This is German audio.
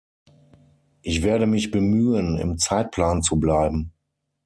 Ich werde mich bemühen, im Zeitplan zu bleiben.